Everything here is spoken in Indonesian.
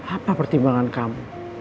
apa pertimbangan kamu